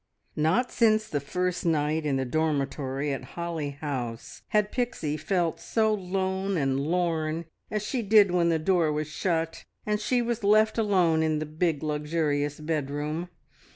Not since the first night in the dormitory at Holly House had Pixie felt so lone and lorn as she did when the door was shut, and she was left alone in the big, luxurious bedroom.